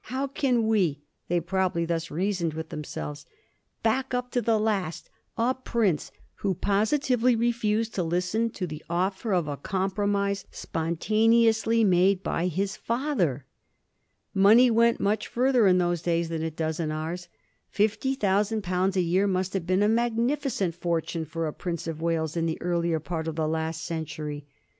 How can we — they probably thus reasoned with themselves — back up to the last a prince who positively refused to listen to the offer of a compromise spontaneously made by his father ? Money went much further in those days than it does in ours. Fifty thousand pounds a year must have been a magnificent fortune for a Prince of Wales in the earlier part of the last century.